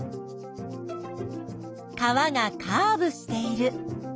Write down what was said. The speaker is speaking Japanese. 川がカーブしている。